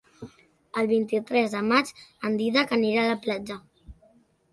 El vint-i-tres de maig en Dídac anirà a la platja.